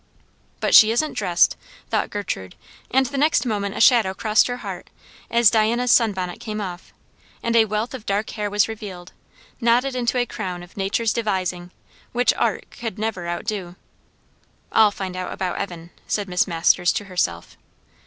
But she isn't dressed, thought Gertrude; and the next moment a shadow crossed her heart as Diana's sun bonnet came off, and a wealth of dark hair was revealed, knotted into a crown of nature's devising, which art could never outdo. "I'll find out about Evan," said Miss Masters to herself.